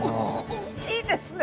大きいですね！